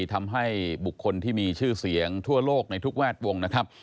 ทำให้บุคคลที่มีชื่อเสียงทั่วโลกในทุกแวดวงนะครับ